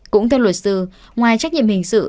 cũng theo luật sư ngoài trách nhiệm hình sự